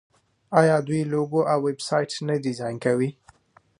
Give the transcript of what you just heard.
آیا دوی لوګو او ویب سایټ نه ډیزاین کوي؟